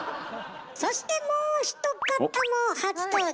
そしてもう一方も初登場！